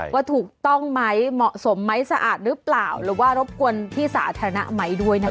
ว่าถูกต้องไหมเหมาะสมไหมสะอาดหรือเปล่าหรือว่ารบกวนที่สาธารณะไหมด้วยนะคะ